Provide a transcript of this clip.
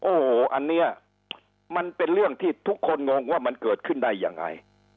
โอ้โหอันนี้มันเป็นเรื่องที่ทุกคนงงว่ามันเกิดขึ้นได้ยังไง